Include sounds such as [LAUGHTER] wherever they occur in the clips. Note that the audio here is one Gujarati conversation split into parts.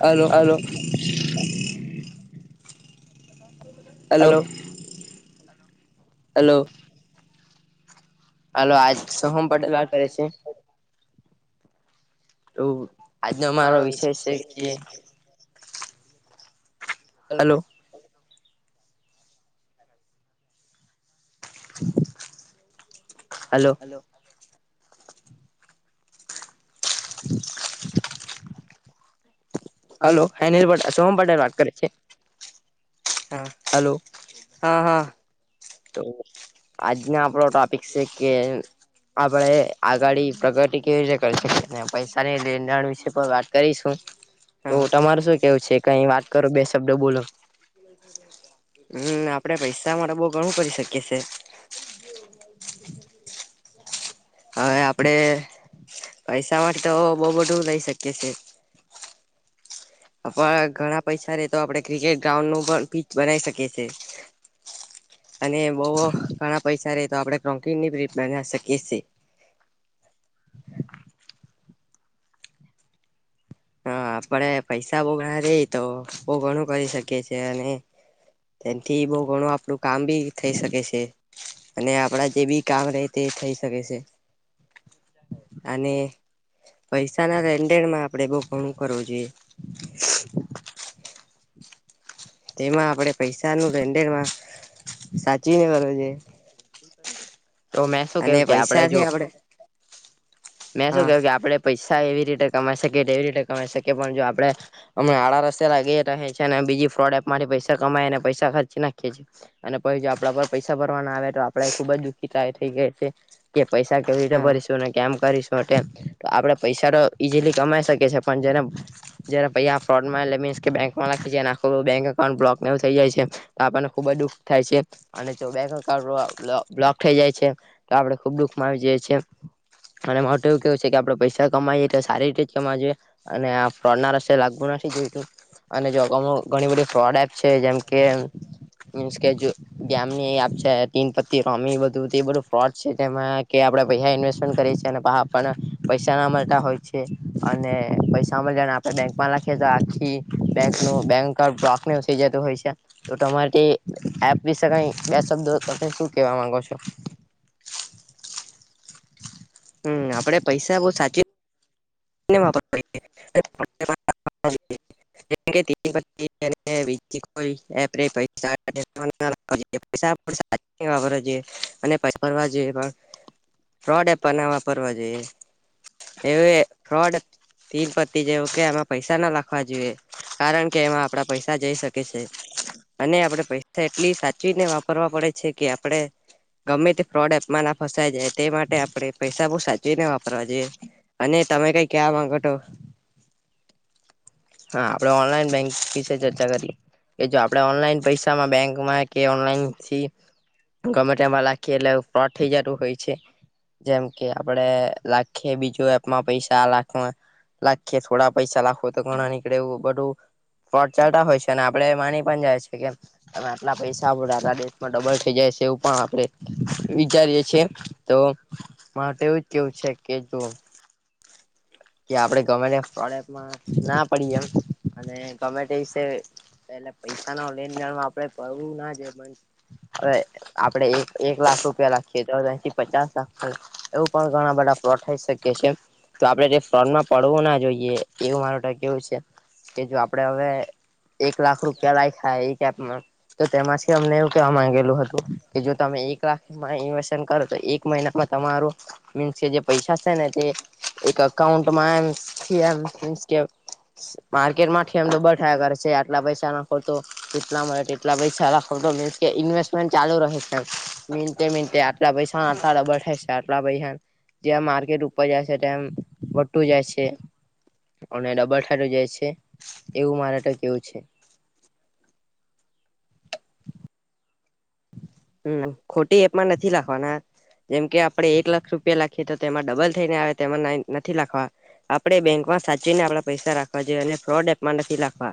હલો હાલો. હલો હાલો. હાલો. હાલો, આજ સોહમ પટેલ વાર કરે છે? તો આજનો મારો વિષય છે કે- હલો હાલો. હલો હાલો. હલો હાલો હેનલ પ શોહમ પટેલ વાત કરે છે? હા, હલો હા હા. તો આજનો આપણો ટોપિક શે કે આપણેે અગાળી પ્રગતિ કેવી રીતે કરી શકે ને પૈસાની લેનદણ વિશે પણ વાત કરીશું. તો હા તમાર શું કેવું છે કઈ વાત કરો બે શબ્દો બોલો. હમ્મ, આપડે પૈસા માટે બવ ઘણું કરી શકીએ છે. હવે આપડે પૈસા માટે તો બહુ બધું લઈ શકીએ છે. આપ ઘણા પૈસા રે તો આપડે ક્રિકેટ ગ્રાઉન્ડ નું પણ પીચ બનાવી શકી એ અને બવ ઘણા પૈસા રે તો આપડે [UNINTELLIGIBLE] બનાવ શકીએ છે. હા આપડે પૈસા બહુ ઘણા રે તો બહુ ઘણું કરી શકીએ છે અને તેથી બઉ ઘણું આપડું કામ બી થઈ શકે છે અને આપડા જે બી કામ રે તે થઈ શકે છે. અને પૈસા ના લેનદેણમાં આપડે બો કોણ કરું જોઈએ. તેમાં આપણેે પૈસા નું લેણદેણ સાચવીને કરવુ જોએ. તો મેં શું કહ્યું કે આપડે જો આપણે મેં શું હા ક્યું કે આપડે પૈસા એવી રીત તે કમાઈ શકીએ તેવી રીતે કમાઈ શકીએ પણ જો આપણે મણા આડા રસ્તે લાગી છે ને બીજી ફ્રોડ એપમાં પૈસા કમાય અને પૈસા ખર્ચી નાખીએ છીએ અને પહી જો આપણા પર પૈસા ભરવાના આવે તો આપણેે ખુબ જ [UNINTELLIGIBLE] એ થઈ ગયા છે કે પૈસા કેવી રીતે હા ભરીશું, કેમ કરીશું તો આપડે પૈસાનો ઈઝીલી કમાઈ શકે છે. પણ જેને જેને પૈસા ફ્રોડમાં એલે મીન્સ કે બેંકમાં નાખી જેન [INAUDIBLE] પણ બ્લોક થઈ જાય છે તો આપણને ખુબ જ દુખ થાય છે અને જો [INAUDIBLE] થઈ જાય છે. તો આપડે ખુબ દુઃખ માં આવી જઈએ છે. અને માટું એવું કેવું છે કે આપડે પૈસા કમાઈએ તો સારી રીતે જ કમા જોઈએ અને આ ફ્રોડ ના રસ્તે લાગવુ આપણાથી જોઈ તો અને જો ઘણી બધી ફ્રોડ એપ છે જેમ કે મીન્સ કે જો ગેમની એ એપ છે ટીન પતિ રોમી બ બધું તે બધું ફ્રોડ છે તેમાં કે આપણે પહિયા ઇન્વેસ્ટમેન્ટ કરીએ છીએ અને પણ પૈસા ના મળતા હોય છે. છે અને પૈસા માળિયા ને આપણા બેંકમાં લખીએ તો આખી બેંક નું બેન્કર [UNINTELLIGIBLE] તો થઈ જતો હોય છે તો તમાર થી એપ વિશે બે શબ્દો તમે શું કેવા માંગો છો. [INAUDIBLE] હમ્મ આપણેે પૈસા બહુ સાચીને વાપરવા [INAUDIBLE] [INAUDIBLE] હાચવીને વાપરવા જોઈએ અને પછી ફરવા જોઈએ પણ ફ્રોડ એપ બનવા ફરવા જઈશ. એ ફ્રોડ પતિ જેવું કે આમાં પૈસા ના લખવા જોઈએ. કારણ કે એમાં આપડા પૈસા જઈ શકે છે. અને આપડે પૈસા એટલી સાચવીને વાપરવા પડે છે કે આપડે ગમે તે ફ્રોડ એપ ના ફસાય જાય તે માટે આપણે પૈસા બો સાચવીને વાપરવા જોઈએ. અને તમે કઈ ક્યા માંગો તો. હા આપડે ઓનલાઈન બેંકિંગ વિશે ચર્ચા કરીએ. કે જો આપણેે ઓનલાઈન પૈસામાં બેંકમાં કે ઓનલાઈન થી ગમે તેમાં લખીએ એટલે ફ્રોડ થઈ જતું હોય છે. જેમ કે આપડે લાખી બીજું એપમાં પૈસા આ લાખમાં લખે થોડા પૈસા લખવો તો ગણાની રેવું બધું ફ્રોડ ચાલતા હોય છે ને આપડે માની પણ જાય છે કે તમે આટલા પૈસા આ બધું આ દેશમાં ડબલ થઈ જાય છે એવ પણ આપડે વિચારીએ છેીએ તો માટે એવું જ કેવું છે કે તું કે આપણેે ગમે ને ફ્રોડ એપમાં ના પડીએ એમ અને ગમે તે સે એલે પૈસા ન લેનદેણ આપડે કરવું ના જોઈએ પણ હવે આપડે એક એક લાખ રૂપિયા લખીએ તોથી પચાસ લાખ એવું પણ ઘણા બધા ફ્રોડ થઈ શકી છે તો આપડે જે ફ્રોડમાં પડવું ના જોઈએ એવું મારે તો કેવું છે. કે જો આપડે હવે એક લાખ રૂપિયા લાયખા એક એપમાં તો તેમાંથી અમને એવું કેવા માંગેલું હતું કે જો તમે એક લાખમાં ઇન્વેસ્ટમેન્ટ કરો તો એક મહિનામાં તમાર મીન્સ કે જે પૈસા છે ને તે એક અકાઉન્ટમાં એમ થી એમ મીન્સ કે માર્કેટમાંથી એમ તો બ થાયા કરે છે આટલા પૈસા ના ખોતો એટલા મળે કેટલા પૈસા લાખો કે ઇવેસ્ટ મેન્ટ ચાલુ રહે છે મીન્ટે મીન્ટે આટલા પૈસા અથવા ડબલ થઈશ આટલ પહૈયા જ્યાં માર્કેટ ઉપર જ છે તેમ વધતું જાય છે અને ડબલ થાટું જાય છે. એવું મારે તો કેવું છે. હમ્મ ખોટી એપમાં નથી લખવાના જેમ કે આપડે એક લાખ રૂપિયા લખીએ તો તેમાં ડબલ થઈને આવે તેમાં નથી લખવા આપડે બેંકમાં સાચીને આપડા પૈસા રાખવા જોઈએ અને ફ્રોડ એપમાં નથી લખવા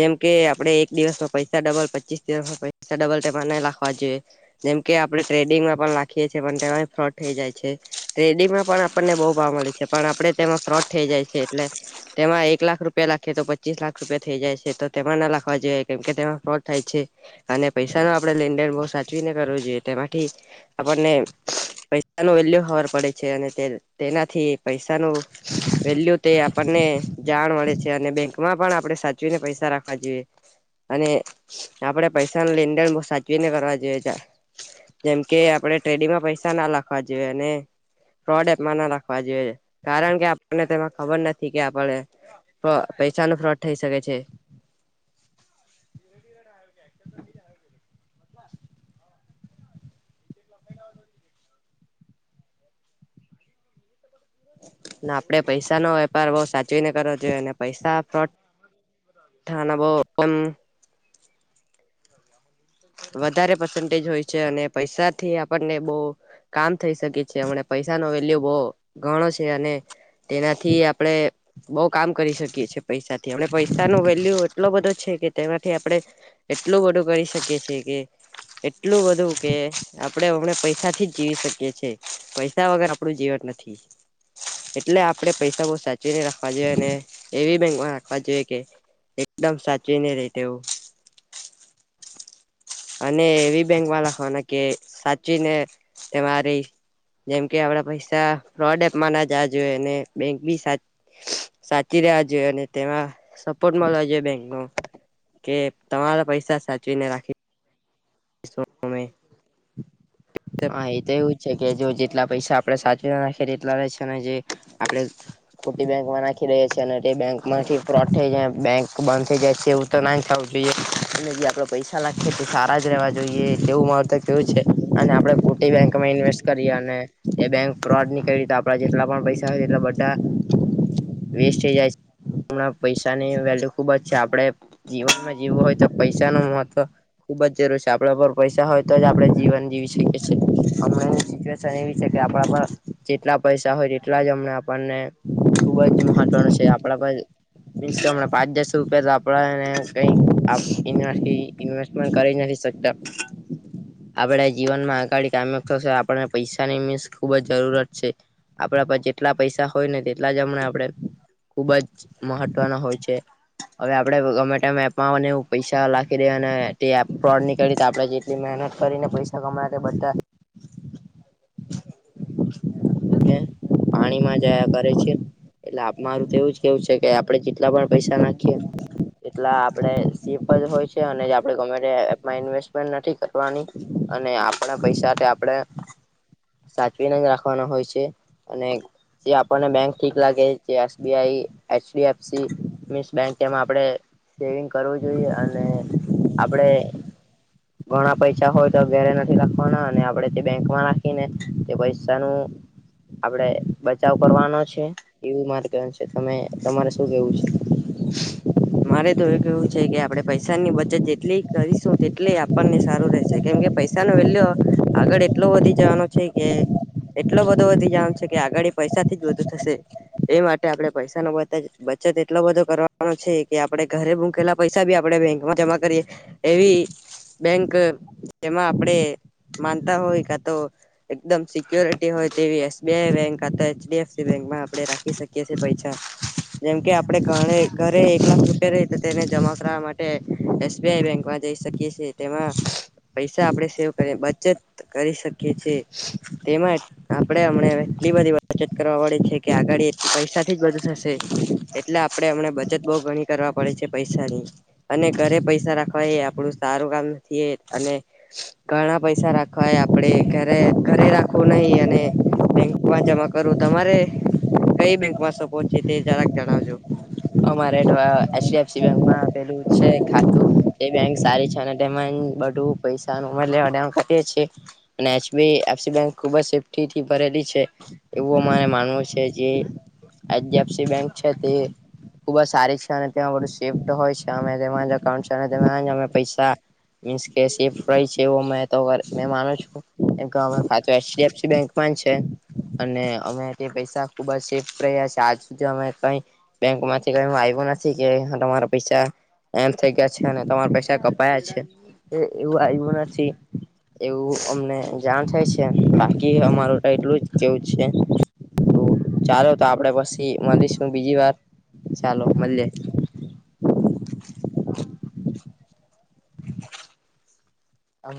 જેમ કે આપડે દિવસમાં પૈસા ડબલ પચીસ દિવસમાં પૈસા ડબલ તેમાં ન લખવા જોઈએ. જેમ કે આપડે ટ્રેડિંગમાં પણ રાખીએ છીએ પણ તે ફ્રોડ થઈ જાય છે ટ્રેડિંગમાં પણ આપને બો [UNINTELLIGIBLE] મળે છે પણ આપડે તેમાં ફ્રોડ થઈ જાય છે એટલે તેમાં એક લાખ રૂપિયા લખીયે તો પચીસ લાખ રૂપિયા થઈ જાય છે તો તેમાં ના લખવા જેવાએ કેમ કે તેમાં ફ્રોડ થાય છે. છે અને પૈસા ન આપણે લેનદેન બો સાચવીને કરવો જોઈએ તેમાંથી આપણને પૈસા ન વેલ્યુ ખબર પડે છે અને તેનાથી પૈસાનું વેલ્યુ તે આપણને ને જાણ મળે છે અને બેંક માં પણ આપણે સાચવીને પૈસા રાખવા જોઈએ. અને આપડે પૈસા ન લેનદેન બો સાચવીને કરવા જોઈએ. જ જેમ કે આપડે ટ્રેડિંગમાં પૈસા ના લખવા જોઈએ અને ફ્રોડ એપમાં ના રાખવા જોઈએ કારણ કે આપણને તે ખબર નથી કે આપ પૈસા નો ફ્રોડ થઈ શકે છે ના આપડે પૈસાનોો વેપાર બહ સાચવીને કરવો જોઈએ અને પૈસા ફ્રોડ થાના બો એમ વધારે પર્સન્ટેજ હોય છે અને પૈસા થી આપણને બહ કામ થઈ શકે છે હમને પૈસા ન વેલ્યુ બહુ ઘણો છે અને તેનાથી આપડે બઉ કામ કરી શકીએ છએ પૈસા થી આપ પૈસા નો વેલ્યુ એટલો બધો છે કે તેમાંથી આપડણે એટલું બધું કરી શકી છીએ કે એટલું બધું કે આપડે હમણા પૈસા થી જ જીવી શકીએ છીએ પૈસા વગર આપડું જીવન નથીથી એટલે આપડે પૈસા બહ સાચવીને રાખવા જોઈએ અને એવી બેંકમાં રાખવા જોઈએ કે એકદમ સાચવીને રહે તેવું અને એવી બેંક રાખવાના કે સાચવી ને તમારી જેમ કે આપડા પૈસા ફ્રોડ એપમાં ના જવા જોઈએ અને બેંક બી સાચ સાચી રહ્યા જોઈએ અને તેમાં સપોર્ટ મળવા જોઈએ બેંકનો કે તમારા પૈસા સાચવીને રાખે હ શમે હા એ તો એવું છે કે જો જેટલા પૈસા આપડે સાચ લા છે ને જે આપડે ખોટી બેંકમાં નાખી દઈએ છીએ ને તે બેંક મામાંથી ફોટ થઈ જાય બેંક બંધ થઇ જાય છે એવું તો ના જોઈએ અને જે આપડ પૈસા નાખીએ તો સારા જ રહેવા જોઈએ તેવું મારું તો કેવું છે આપણે ખોટી બેંક માં ઇન્વેસ્ટ કરીએ અને એ બેંક ફ્રોડ ની કરી આપણે જેટલા પણ પૈસાય એટલા બધા [INAUDIBLE] વેસ્ટ થઈ જાય છે હમણાં પૈસાની વેલ્યુ ખુબ જ છે આપણે જીવનમાં જીવું હોય તો પૈસા ન મહત્વ ખુબ જરૂર છે આપડ ઉપર પૈસા હોય તો જ આપડણે જીવન જીવી છે કે આપ જેટલા પૈસા હોય તેટલા જ અમ આપ ખુબ જ મહત્વનું છે આપણા પાંચ દસો રૂપિયા તો આપડેને કઈ ઇવેસ્ટમેન્ટ કરી નથી શકતા આપડે જીવનમાં આગાળ કામ થશે આપણને પૈસાની ખુબ જ જરૂરત છે આપડા પા જેટલા પૈસા હોય ને તેટલા જ હમણાં આપડે ખુબ જ મહત્વ ના હોય છે હવે આપડે ગમે તે એપમાં એ પૈસા નાખી દેહે અને તે ફ્રોડ નીકળી આપણે જેટલી મહેનત કરીને પૈસા કમાયા બધા પાણીમાં જયા કરે છે એટલે મારું તો એવું જ કેવું છે કે આપડે જેટલા પણ પૈસા નાખીએ એટલા આપડે સેફ જ હોય છે અને આપડે ગવર્મેન્ટ એપમાં ઇન્વેસ્ટમેન્ટ નથી કરવાની અને આપણે પૈસા તે આપણેે સાચવીને જ રાખવાના હોય છે અને જે આપણને બેંક ઠીક લાગે જે એસબીઆઈ એચડીએફસી મ બેંકમાં આપણે સેવિંગ કરવું જોઈએ અને આપડે ઘણા પૈસા હોય તો અ ઘરે નથી રાખવાના અને આપણે તે બેંકમાં રાખીને તે પૈસાનુંું આપડે બચાવ કરવાનો છે એવું મારું કેવાનું છે તમારે શું કેવું છે [INAUDIBLE] મારે તો એ કેવું છે કે આપડે પૈસાની બચત જેટલી કરીશું તેટલે આપણને સારું રહેશે કેમ પૈસા નો વેલ્યો આગળ એટલો વધી જવાનો છે કે એટલો બધો વધી જામ છે કે આગળ પૈસા થી જ વધુ થશે એ માટે આપડે પૈસા ન બધા જ બચત એટલો બધો કરવાનો છે કે આપડણે ઘરે મુકેલા પૈસા બી આપણે બેંક માં જમા કરીએ એવી બેંક જેમાં આપડે માનતા હોય કે તો એકદમ સિક્યોરિટી હોય તેવી એસબીઆઈ બેંક એચડીએફસી બેકમાં આપણે રાખી શકીએીએ પૈસા જેમ કે આપડે ઘ ઘરે એક લાખ રૂપિયા રહી તો તેને જમા કરવા માટે એસબીઆઈ બેંકમાં જઈ શકીએ તેમાં પૈસા આપડે સેવ કરી બચત કરી શકીએ છેએ તેમાં આપણેે હમ એટલી બધી બચત કરવાળે છે કે આગડી પૈસા થી જ બધું થશે એટલે આપડે એમને બચત બહ ઘણી કરવા પડે છે પૈસા ની અને ઘરે પૈસા રાખવા એ આપડું સારું કામ નથી ઘણા પૈસા રાખવાય આપણેે ઘરે ઘરે રાખવું નહી અને બેંક જમા કરું, તમારે કઈ બેંકમાં સપો તે જરાક જણાવજો. હ મારે- એચડીફસી બેકમાં આવેલું છે ખાતું એ બેંક સારી છે અને બુ પૈસા ઉમે અને એબી એફસી બેક ખુબ જ સેફ્ટી થી ભરેલી છે. એવું અમારે માનવું છે જે આ બેંક છે તે ખુબ જ સારી છે અને તેમાં બધું સેફ્ટ હોય છે અ અઉન્ટમાં અમે પૈસા મીન્સ કે સે છે એવ મે માનો છું ખા [UNINTELLIGIBLE] બેંકમાંન છે અને અમે તે પૈસા ખુબ જ સેફ રહ્યા છે. આજ સુધ અમે કઈ બેંક માંથી કઈ આવ્યું નથી કે તમારા પૈસા એમ થઇ ગયા છે અને તમારે પૈસા કપાયા છે એ એવું આઈવું નથી. એવું અમને જાણ થાય છે, બાકી અમારું તો એટલું જ કેવું છે ચાલો તો આપડે પછી મળીશું બીજી વાર ચાલો મળે [INAUDIBLE] આમ